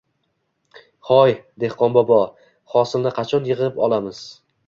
Hoy, dehqonbobo, hosilni qachon yig’ib olamiz?!